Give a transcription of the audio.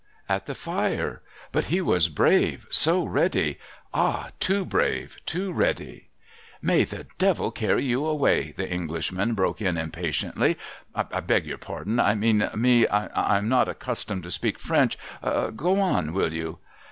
' At the fire. But he was so brave, so ready. Ah, too brave, too ready !'' May the Devil carry you away !' the Englishman broke in im patiently ;' I beg your pardon, — I mean me, — I am not accustomed to speak French, — go on, will you